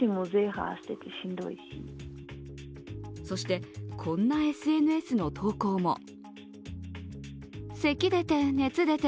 そして、こんなＳＮＳの投稿も。